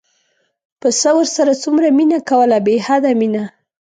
پسه ورسره څومره مینه کوله بې حده مینه.